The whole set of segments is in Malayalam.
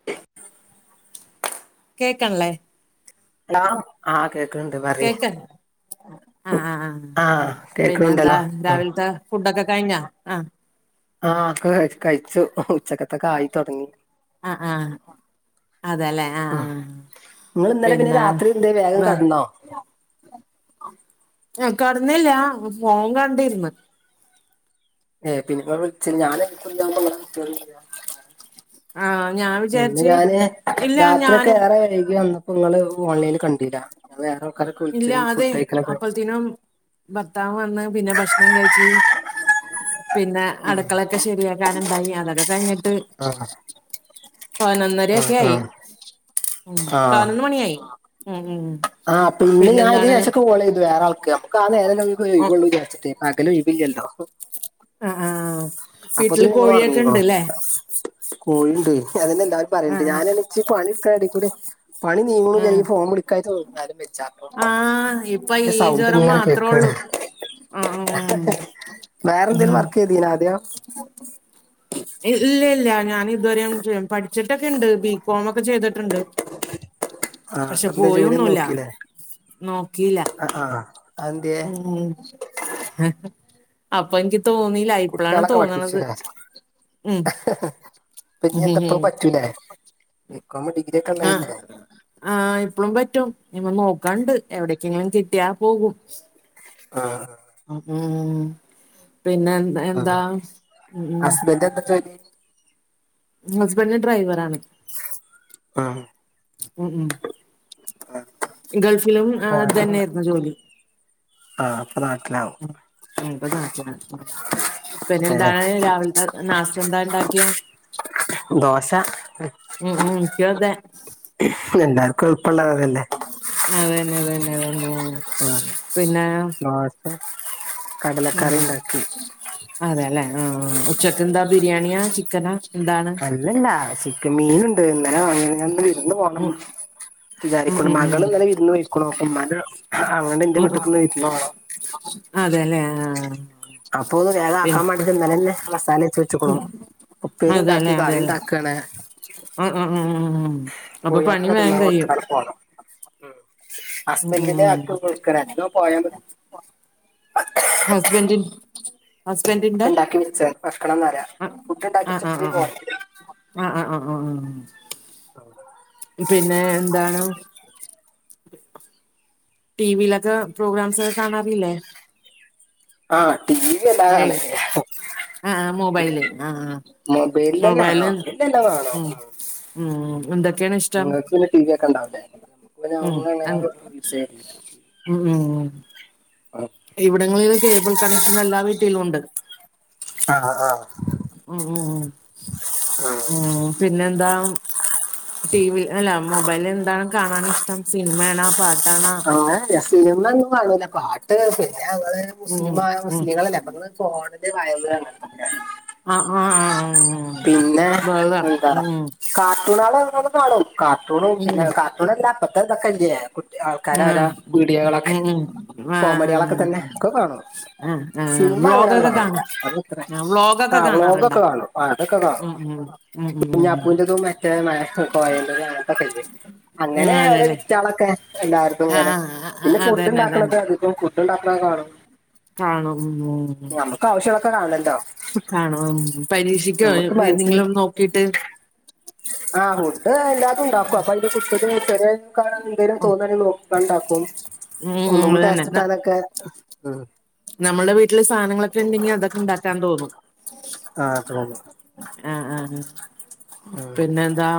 [inaudible] കേക്കണ്ല്ലേ ഹലോ ആഹ് കേക്ക്ണിണ്ട് പറയ് കേക്ക ആഹ് ആഹ് പിന്നെന്താ രാവിലത്തെ ഫുഡൊക്കെ കഴിഞ്ഞാ ആഹ് ആഹ് കെ കഴിച്ചു ഉച്ചക്കത്തൊക്കായിത്തൊടങ്ങി ആഹ് ആഹ് അതെല്ലേ ആഹ് ആഹ് നിങ്ങൾ ഇന്നലെ പിന്നെ പിന്ന രാത്രി എന്തേ വേഗം വ കടന്നോ ഹെ കടന്നില്ല ഫോൺ കണ്ടിരിന്ന് ഹെ പിന്നപ്പ വിളിച്ച ഞാൻ ഫ്രീ ആവുമ്പോ നിങ്ങളെ [unintelligible] ആഹ് ഞാ ഇന്ന് ഞാന് രാത്രിയൊക്കേ യെറെ വൈകി വന്നപ്പോ ഇങ്ങള് ഓൺലൈനി കണ്ടീല വേറെ ആൾക്കാരൊക്കെ ഇല്ലാ വിളിച്ചതും ഫുഡ് അത് കഴിക്കലൊക്കെ അപ്പൾത്തിനും ഭർത്താവ് വന്ന് പിന്നെ ഭക്ഷണം കഴിച്ച് പിന്നെ അടുക്കളക്കെ ശെരിയാക്കാനിണ്ടായി അതൊക്കെ കഴിഞ്ഞിട്ട് ആഹ് ആഹ് പതിനൊന്നരയൊക്കെയായി ആഹ് ഉം പതിനൊന്ന് മണിയായി ഉം ഉം ആ പിന്നെ ഞാനിതിന് പിന്നെന്താണ് ശേഷൊക്കെ കോളെയ്തു വേറാൾക്ക്. അമ്മക്കാ നേരല്ലേ ഒരു ഒഴിവ് വിചാരിച്ചിട്ട് പകലൊഴിവില്ലല്ലോ ആഹ് ആഹ് ആഹ് വീട്ടില് നിങ്ങൾ ഉറങ്ങീക്കണോ കോഴിയൊക്കെണ്ട്ല്ലേ കോഴിണ്ട് അതെന്നെല്ലാരും പറയണ്ട് ആഹ് ആഹ് ഞാനാണെ ച് പണി എടുക്കുന്ന യെടികൂടി പണി നീങ്ങൂല ഈ ആഹ് ഫോൺ വിളിക്കായി [unintelligible] ആഹ് ഇപ്പൊ ഈ ജ്വരം മാത്രേ കേക്കാണ് ഉള്ളൂ വേറെന്തേലും ഉം വർക്ക് ചെയ്തീനാദ്യോ ഇല്ല ഇല്ല ഞാനിതുവരെ [unintelligible] പഠിച്ചിട്ടൊക്കെണ്ട് ബികോം ഒക്കെ ചെയ്തിട്ടുണ്ട് ആഹ് പക്ഷെ എന്തേ ജോലിയൊന്നും പോയൊന്നുല്ല നോക്കിയില്ലേ നോക്കിയില്ല ആഹ് ആഹ് അതെന്ത്യേ ഉം അപ്പൊ എനിക്ക് തോന്നി ല്ല. ഇപ്പളാണ് കുട്ട്യാളൊക്കെ തോന്നണത് ഉം പിന്നെന്താപ്പളും പറ്റൂലേ ബികോം ഡിഗ്രിയൊക്കെ ആഹ് ഉള്ളല്ലേ ആഹ് ഇപ്പളും പറ്റും [unintelligible] നോക്കൺണ്ട് എവിടെക്കെങ്കിലും കിട്ടിയാ പോകും ആഹ് ഉം പിന്നെന്ത് എന്താ ഉ ഉ ബന്റ് എന്താ ജോലി ഹസ്ബൻഡ് ഡ്രൈവറാണ് ആഹ് ഉം ഉം ഗൾഫിലും ആഹ് ഇതെന്നായിരുന്നോ ജോലി ആഹ് നാട്ടിലാവും ഉം ഇപ്പ നാട്ടിലാ ഏഹ് പിന്നെന്താണ് രാവിലത്തെ നാസ്തെന്താ ഇണ്ടാക്കിയെ ദോശ എനിക്കും അതെ എല്ലാർക്കും എളുപ്പള്ളതതല്ലേ അതെന്നതെന്നതെന്നെ ആഹ് [unintelligible] ആഹ ഉണ്ടാക്കി അതെല്ലേ ആ ഉച്ചക്കെന്താ ബിരിയാണിയാ ചിക്കനാ എന്താണ് ഇല്ലല്ല ചിക്കൻ മീന് ഉണ്ട് ഇന്നലെ വാങ്ങിയത് വിരുന്ന് പോണം ഉം ഉം വിചാരിക്ണ്ട് ഉം മകള് ഉം ഇന്നലെ വീരുന്ന് പോയിരിക്കണു ഉമ്മാന്റെ എന്റെ ഉം വീട്ടിൽ നിന്ന് വീരുന്ന് പോണം. അതെല്ലേ ആ അപ്പൊ ഒന്ന് വേഗ ആക്കാൻ വേണ്ടിട്ട്ഇന്നലെ തന്നെ മസാല തേച്ച് വെച്ച്ക്നു ഉപ്പേരി ഇണ്ടാക്കി കറിയുണ്ടാക്കാണ് ഉം ഉം ഉ അപ്പൊ പണി വേഗം കഴിയും ഉം ഉം ഹസ്ബൻഡിന്റ ഉം ആക്കൾക്കോ പോയാമതി ഹസ്ബൻഡ് ഒക്കെ ഉണ്ടാക്കി വെച്ച് വെക്കണം എന്നുപറയ പുട്ട് ഉണ്ടാക്കി വച്ചത്തി പോന്നത്. അ ആ ആ ആ പിന്നെ എന്താണ് ടി വിയിലൊക്കെ പ്രോഗ്രാംസ് ഒക്കെ കാണാറില്ലേ ആഹ് ടി വി വല്ലാതെ ഏയ് കാണെല്ലി യാ ആ ആ മൊബൈല് ആ ആ മൊബൈൽ തന്നെ ആ മൊബൈല് മൊബൈൽ എല്ലാം കാണും ഉം ഉം എന്തൊക്കെയാണ് ഇഷ്ടം നിങ്ങക്ക് പിന്നെ ടി വി ഒക്കെ ഇണ്ടാവൂലെ ഉം ഇപ്പ ഞങ്ങ അങ്ങ് അങ്ങനെ [unintelligible] ഉം ഉം ഉം ആഹ് ഇവിടങ്ങളില് കേബിൾ കണക്ഷനെല്ലാ വീട്ടിലും ഉണ്ട് ആ ആ ഉ ഉ ഉ ഉം പിന്നെ എന്താ ടി വി അല്ല മൊബൈലിൽ എന്താണ് കാണാൻ ഇഷ്ടം സിനിമയാണോ പാട്ട് ആണോ അങ്ങനല്ല സിനിമ ഒന്നും കാണില്ല പാട്ട് പിന്നെ ഞങ്ങള് ഉം മുസ്ലിം ഉം മുസ്ലിങ്ങളല്ലേ അപ്പോ ഫോണിൽ വയ്ള് അങ്ങനത്തെ ഒക്കെ അ ആ ഉം [unintelligible] ഉം കാർട്ടൂ ണ്ആള് നമ്മൾ കാണും കാർട്ടൂണ് ഉം പിന്നെ കാർട്ടൂൺ അല്ല ഇപ്പത്തെ ഇതൊക്കെ ഇല്ലെ കുട്ടികള് കാണും ആ കാനാരാ വീഡിയോകളൊക്കെ ഉം ഉം ആ കോമഡികളൊക്കെ തന്നെ ഒകെ കാണും ആ ആ സിനിമ അങ്ങനെ വ്ളോഗൊക്കെ കാണോ കാണൂല്ല അത് അത്ര ആ ആ വ്ളോഗൊക്കെ കാണാറുണ്ടോ വ്ലോഗൊക്കെ കാണും ആ അതൊക്കെ കാണും ഉം ഉം ഉം ഉം ഉം ഉം കുഞ്ഞാപ്പു ൻ്റെതും മറ്റെ കോയൻ്റേതും അങ്ങനത്തെ ഒകെ ഇല്ലേ അങ്ങനെ ഉം ഓരോ അതെല്ലേ വിറ്റ് കൾ ഒകെ എല്ലാറ് തും ആ ഇങ്ങനെ ആ ആ പിന്നെ ഫുഡ് അതന്നെ അതന്നെ ഉണ്ടാക്കണത് അതികും ഫുഡ് ഉണ്ടാക്കണ കാണും കാണും ഉം ഉം ഒകെ ആവിശ്യം ഉള്ളത് ഒക്കെ കാണുണ്ടോ കാണോ പരീക്ഷിക്കോ ഏതെങ്കിലും നോക്കിട്ട് ആഫുഡ് എല്ലാതും ഉണ്ടാക്കും അപ്പൊ അതിന്റെ [unintelligible] ഉം ഉണ്ടാക്കും ഒന്ന് ഉം കൂടി ടെസ്റ്റ് കിട്ടാനൊകെ നമ്മുടെ വീട്ടില് സാധനങ്ങളൊക്കെ ഉണ്ടെങ്കി അതൊക്കെ ഉണ്ടാക്കാൻ തോന്നും ആ തോന്നും ആഹ ആഹ പിന്നെ എന്താ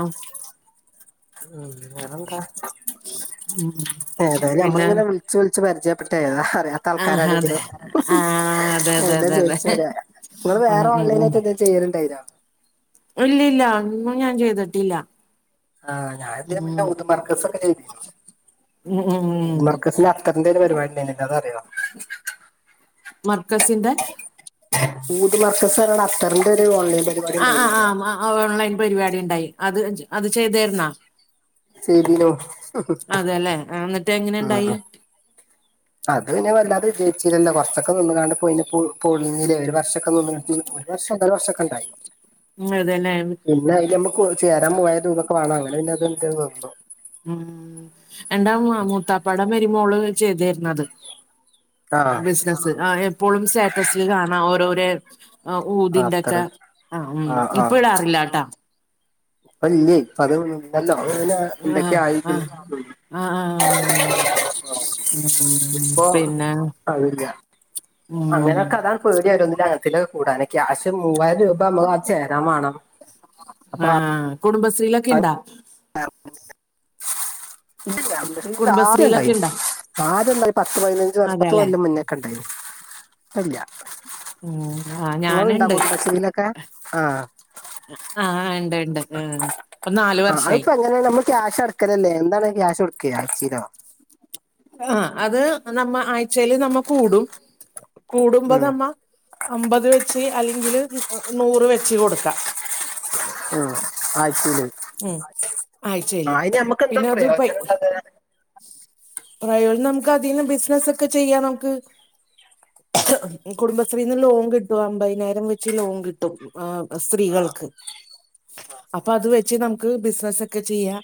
ഉ വേറെന്താ ഉം ഏതായാലും നമ്മള് ഇ പിന്നെ ങ്ങനെ വിളിച്ച് വിളിച്ചു വിളിച്ച് പരിചയപ്പെട്ടതാ അറിയാത്ത ആഹ് അതെ ആൾക്കാരാണെങ്കിലും ആഹ് അതെ അതെ എല്ലാം അതെ അതെ ചോദിച്ച് അറിയാം നിങ്ങള് ഉം വേറെ ഉം ഓൺലൈനായിട്ട് എന്തേലും ചെയ്യൽ ഉണ്ടായിരുന്നോ ഇല്ലല്ല ഒന്നും ഞാൻ ചെയ്തിട്ടില്ല ആഹ് ഞാൻ ഇതിനു മുൻപേ ഉം ഊദ് മർകസ് ഒകെ ചെയ്‌തിട്ടുണ്ട് ഉം ഉം മർക്കസിന് അത്തറിന്റെ ഒരു പരിപാടി ഉണ്ട് അത് അറിയോ മർക്കസിന്റെ ഊത് മർകാസിന്റ അത്തറിന്റെ ഒരു ഓൺലൈൻ പരിപാടി ആഹ് ആഹ് ഉണ്ടായിരുന്നല്ലോ ആഹ് ഓൺലൈൻ പരിപാടി ഉണ്ടായി അത് അത് ചെയ്തിരുന്നോ ചെയ്തീനു അതല്ലേ എന്നിട്ട് ഉം എങ്ങനെയുണ്ടായി. അത് പിന്നെ വല്ലാതെ വിജയിച്ചില്ലല്ലോ കൊറച്ചൊക്കെ നിന്നുങ്ങാണ്ട് പോയിന് പൊളിഞ്ഞില്ലേ ഒരു വർഷം ഉം നിന്ന്ണ് ഒരു വർഷം ഒന്നര വർഷം ഒക്കെണ്ടായി ഉം അതെന്നെ പിന്നെ അയില് നമ്മക്ക് ചേരാൻ പോയതും ഇതൊക്കെ വേണം അങ്ങനെ പിന്നെ അത് ഇന്റത് നിന്നു ഉം എന്റെ മൂത്താപ്പാടെ മരിമോള് ചെയ്തീർന്നത് ആഹ് ബിസിനസ് ആ എപ്പോഴും സ്റ്റാറ്റസിൽ കാണാ ഓരോര ആ ആഹ് ഊതിന്റെക്കെ അത്തറ് ആഹ്‌ ഉം ഇപ്പം ഇടാറില്ലാട്ടോ ഇപ്പ ഇല്ലേ ഇപ്പ അത് ഇണ്ടല്ലോ അത് പിന്നെ എന്തൊക്കെ ആയിക്കണ് ഉം അ ആഹ് ആഹ് ഇപ്പൊ പിന്നെ അതില്ല ഉം അങ്ങനെയൊക്കെ അതാണ് പേടി ഒരോന്നില് അങ്ങനെത്തേലൊക്കെ കൂടാന് ക്യാഷ് മൂവായിരം രൂപ നമ്മൾ ആ ചേരാൻ വേണം അപ്പൊ ആഹ്‌ കുടുംബശ്രീയിലൊക്കെ ഇണ്ടോ [unintelligible] പക്ഷെ ഇത് ആദ്യം കുടുംബശ്രീയിലൊക്കെ ഉണ്ടായിരുന്നു ഇണ്ടാ ആദ്യം ഉണ്ടായിരുന്നു പത്ത് പതിനഞ്ച് വർഷം പത്ത് അതെല്ലേ കൊല്ലം മുന്നേക്കെ ഉണ്ടായിരുന്നു ഇപ്പല്ല ഉം ആ നിങ്ങൾ ഇണ്ടോ ഞാനുണ്ട് കുടുംബശ്രീയിലൊക്കെ ആഹ്‌ ആഹ് ഉണ്ട് ഉണ്ട് ആ ഇപ്പൊ നാലു വർഷയി ഇങ്ങനെ നമ്മള് ക്യാഷ് അടക്കലല്ലേ എന്താണ് ക്യാഷ് കൊടുക്കയാ [unintelligible] ആഹ്‌ അത് നമ്മ ആഴ്ചയിൽ നമ്മ കൂടും കൂടുമ്പോ ഉം നമ്മ അമ്പത് വെച്ച് അല്ലെങ്കിൽ നൂറ് വെച്ച് കൊടുക്കാം ആഹ് ആഴ്ച്ചെല് ഉം ആഴ്ചയില് ആഹ്‌ അയിന് നമ്മക്ക് എന്താ പിന്നെ അത് പൈ പ്രയോജനള്ളത് പ്രയോജനം നമുക്ക് അതിന്നു ബിസിനസ് ഒക്കെ ചെയ്യാം നമുക്ക് കുടുംബശ്രീന്ന് ലോൺ കിട്ടും അമ്പതിനായിരം വെച്ച് ലോൺ കിട്ടും ആഹ്‌ സ്ത്രീകൾക്ക് അപ്പത് വെച്ച് നമുക്ക് ബിസിനസ് ഒക്കെ ചെയ്യാം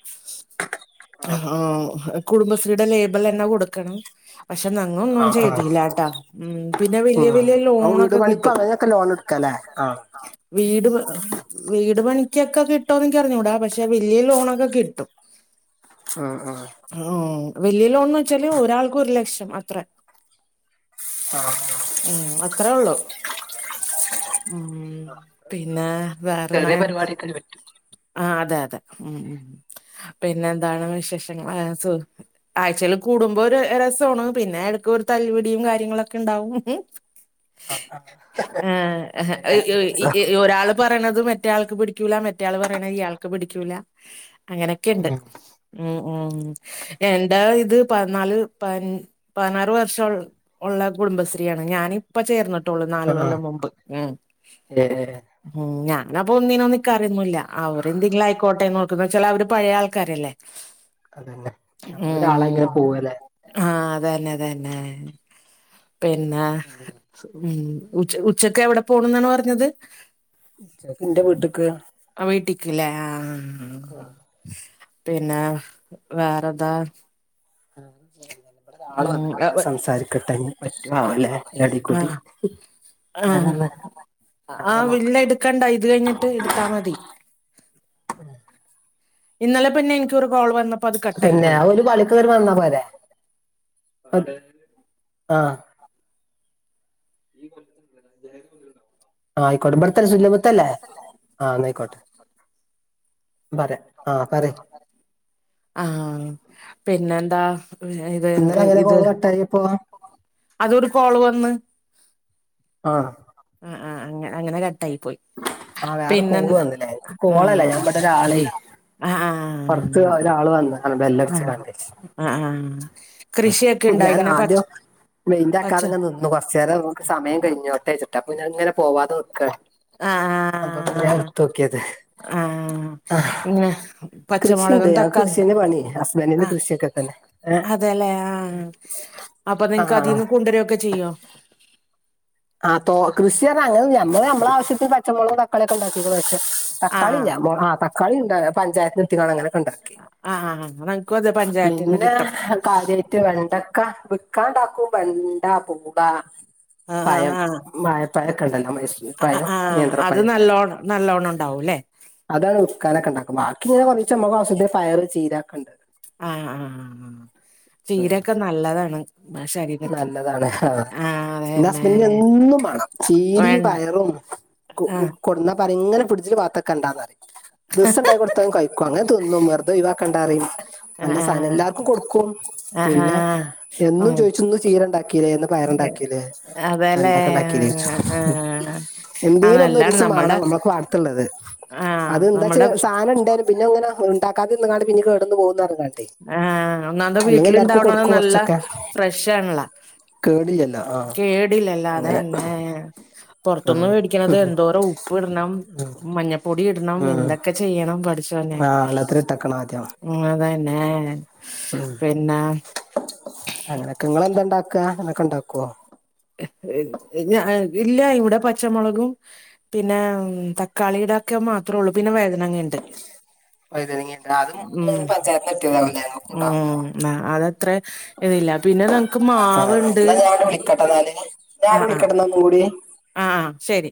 ആഹ്‌ കുടുംബശ്രീയുടെ ലേബൽ തന്നെ കൊടുക്കണം പക്ഷെ ഞങ്ങ ആ ഒന്നും ആ ചെയ്തില്ലട്ടാ ഉം പിന്നെ വലിയ വലിയ ലോണൊക്കെ കിട്ടും ഒക്കെ ലോൺ എടുക്കല്ലേ ആഹ് വീട് [unintelligible] വീട് പണിക്കൊക്കെ കിട്ടോന്നെനിക്ക് അറിഞ്ഞൂടാ പക്ഷെ വല്യ ലോണൊക്കെ കിട്ടും ഉം ഉം ആഹ്‌ വല്യ ലോൺ എന്ന് വെച്ചാല് ഒരാൾക്ക് ഒരു ലക്ഷം അത്ര ആ ഉം അത്രേ ഒള്ളു ഊം പിന്നെ വേറെന്നാ ചെറിയ പരിപാടിയൊക്കെ പറ്റും ആഹ്‌ അതെ അതെ ഉം ഉം പിന്നെ എന്താണ് വിശേഷങ്ങള് [unintelligible] ആഴ്ച്ചല് കൂടുമ്പോ ഒരു രസാണ് പിന്നെ എടക്ക് ഒരു തല്ലുപിടിയും കാര്യങ്ങളൊക്കെ ഇണ്ടാവും ആഹ് അതെ അതെ രസം [unintelligible] ഒരാള് പറയണത് മറ്റയാൾക്ക് പിടിക്കൂല മറ്റയാൾ പറയണത് ഇയാൾക്ക് പിടിക്കൂല അങ്ങനെയൊക്കെയുണ്ട് ഉം ഉം ഉം എന്താ ഇത് പതിനാല് പ- പതിനാറ് വർഷ ഉള്ള കുടുംബശ്രീയാണ് ഞാനിപ്പ ചേർന്നിട്ടുള്ളൂ നാല് ആഹ് കൊല്ലം മുമ്പ് ഉം ഏ ഏ ഉം ഞാൻ അപ്പൊ ഒന്നിനും നിക്കാറോന്നുംഇല്ല അവർ എന്തെങ്കിലും ആയിക്കോട്ടെ നോക്കും എന്താ വെച്ചാല് അവര് പഴയ ആൾക്കാരല്ലേ അതന്നെ നമ്മള് ഒരാളായങ്ങനെ പോവല്ലെ ആഹ്‌ അതന്നെ അതന്നെ പിന്നെ ഉം ഉ ഉച്ചക്ക് എവിടെ പോണം എന്നാണ് പറഞ്ഞത് ഉച്ചക്ക് ന്റെ വീട്ട്ക്ക് ആ വീട്ടിക്ക് ല്ലേ ആഹ് ആഹ് പിന്നെ വേറെന്താ [unintelligible] ഇബടെ ഒരാള് ഉം വന്ന്ക്കുണ് ട്ടോ ഞാൻ സംസാരിക്കട്ടെ ഇഞ് പറ്റൊ ആവല്ലേ ഇതിന്റെ ഇടയിൽ കൂടി ആഹ്‌ ആ ആരാ വില്ല നോക്കട്ടെ എടുക്കണ്ട ഇത് കഴിഞ്ഞിട്ട് ഇട്ടാ മതി ഇന്നലെ പിന്നെ എനിക്കരു കോൾ വന്നപ്പോ അത് കട്ടായി പോയി ത്തൊരു വന്നാ പോലെ പത് ആഹ് ഈ കൊല്ലത്തിണ്ടാവട്ടോ ആഹ് ആയിക്കോട്ടെ ബട്ത്തല്ലേ സുല്യബത്തല്ലേ ആഹ് ന്നായിക്കോട്ടെ പറയാ ആഹ് പറി ആഹ് പിന്നെന്താ ഇത് ഇന്നലെ എങ്ങനെ ഇത് കോള് കട്ടായപ്പോ അതൊരു കോള് വന്ന് ആഹ് ഉം ഉം അങ്ങഅങ്ങനെ കട്ടായി പോയി ആഹ് വേറെ പിന്നെ കോള് വന്നൂല്ലേ എനിക്ക് കോളല്ല ആഹ് ഞാൻ ഇവടൊരാളെയ് ആഹ് പുറത്ത് ആഹ് ഒരാള് വന്ന് ആ ആഹ് ബെല്ലടിച്കാണ്ടേ ആഹ് ആഹ് കൃഷിയൊക്കെ ഇണ്ടോ ഇങ്ങനെ പച്ച ഞാനാദ്യം പച്ച മെയ്ന്റക്കാതെങ്ങനെ നിന്നു കൊർച്ചേരം ക്ക്‌ സമയം കെയിഞ്ഞോട്ടെചിട്ട് അപ്പൊ ഞാങ്ങനെ പോവാതൊക്കാണ് ആഹ് ആഹ് അപ്പൊ പിന്നെ ഞാനിട്തോക്കിയത് ആഹ് ങ്ങാഹ് പച്ചമുളകും തക്കാളീം പണി ഹസ്ബൻഡിന്റെ ആഹ് കൃഷിയൊക്കെ തന്നെ ഏ അതെല്ലേ ആഹ് ആ അപ്പൊ ആ നിങ്ങക്കതിന്ന് കൊണ്ടുവരൊക്കെ ച്ചീയ്യോ? ആ തോ കൃഷി ർഞ്ഞ അങ്ങനൊന്നൂല്ല ഞമ്മള്മ്മള ആവശ്യത്തിൽ പച്ചമുളകും തക്കാ തക്കാളിഒക്കെണ്ടാക്കികുണേയ് ആഹ് തക്കാളില്ല ആഹ് മൊ ആ തക്കാളിണ്ടാ പഞ്ചായത്തിന്ന്ട്ടിങ്ങണ്ടങ്ങനെ അങ്ങനെ ആ ആ ആ നങ്ങക്കക്കും തെ പഞ്ചായത്തിന്ന് കിട്ടും കാര്യായിട്ട് വെണ്ടക്ക വിക്കാണ്ടാക്കും വെണ്ട പൂള ആഹ് പയം വാഴ പയക്കണ്ടല്ലൊ മൈസൂർ അ അ പയം ആ അത് നേന്ത്രപ്പഴമൊക്കെ നല്ലോണം നല്ലോണണ്ടാവുംല്ലെ അതാണ് വിക്കാനൊക്കെണ്ടാക്കും വാക്കിങ്ങനെ കൊറീച്ചെ മ്മളാവുസ്യത്തിന് പയർ ചീരക്കണ്ട് ആഹ് ആഹ് ആ ആ ചീരക്കെ നല്ലതാണ് നമ്മളെ ശരീരത്തിന് ആഹ് ആ ന്റെ ഹസ്ബൻന്റിനെന്നും മാണം വേ ചീരിം പയറും കൊ ആഹ് കൊടന്ന പറിം ങ്ങനെ ഫിഡ്ജില് വാ ട്ത്തക്കണ്ടാന്നറിം ദിവസോണ്ടാക്കി കൊടുത്താലും കൈക്കും അങ്ങനെ തിന്നും വെറുതെ ഒയിവാക്കണ്ടാറിം ആഹ് നല്ല ആഹ് സാധനെല്ലാർക്കും കൊടുക്കും ആഹ് പിന്നെ ആഹ് എന്നും ഉം ചോയിച്ചും ഇന്ന് ചീര ണ്ടാക്കില്ലേ ന്ന് പയർണ്ടാക്കില്ലേ അതെല്ലേ വേണ്ടക്ക ണ്ടാകീലോയ്ച്ചും ആഹ് ആഹ് എന്തേലൊന്ന് നല്ലാണ് ഒരീസം മാണം നമ്മളുടെ ഞമ്മള പാടത്ത്ള്ളത് ആഹ് അത് ന്താ നമ്മളുടെ ച്ചാ സാധനണ്ടേലും പിന്നെങ്ങനെ ഉണ്ടാക്കാതിര്ന്ന്കാണ്ട് പിന്നിം കേടന്നു പോകും പറഞ്കാണ്ട് ആഹ് ഒന്നാമത് വീട്ടിലിണ്ടാവണത് കൊടുക്കും നല്ല കൊറച്ചൊക്കെ ഫ്രഷ് ആണല്ലോ കേടില്ലല്ലോ ആഹ് കേടില്ലല്ലോ അങ്ങനെ അതെന്നെ ഉം പൊറത്തുന്ന് വേടിക്കണത് എന്തോ രം ഉപ്പ്ടണം മഞ്ഞപ്പൊടി ഇടണം ഉം എന്തൊക്കെ ചെയ്യണം പടച്ചോനെ ആഹ് വെള്ളത്തിലിട്ടക്കണം ആദ്യം ഉം അതന്നെ പിന്നെ അങ്ങനെക്കെ ങ്ങളെന്താണ്ടാക്കാ അങ്ങനക്കെണ്ടാക്കോ ഇല്ല ഇവിടെ പച്ചമുളകും പിന്നെ തക്കാളിടക്കെ മാത്രേള്ളു പിന്നെ വാഴുനങ്ങണ്ട് വഴുതനങ്ങ ഇണ്ട് അത് ഉം മൂന്നും പഞ്ചായത്തിന് കിട്ടിയതാവുല്ലേ ഇങ്ങക്കും ഇണ്ടാവുല്ലേ ഉം ആ അതെത്രെ ഇതില്ല പിന്നെ നങ്ങക്ക് മാവ്ണ്ട് അതാല്ലേ ഞാന് വിളിക്കട്ടേ ന്നും കൂടി ആ ശരി